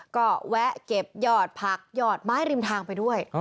ก็แวะเก็บหยอดผักหยอดไม้ริมทางไปด้วย